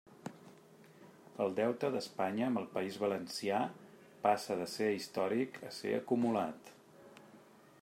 El deute d'Espanya amb el País Valencià passa de ser històric a ser acumulat.